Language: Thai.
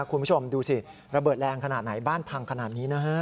คุณผู้ชมดูสิระเบิดแรงขนาดไหนบ้านพังขนาดนี้นะฮะ